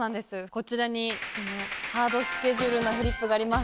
こちらにそのハードスケジュールなフリップがあります。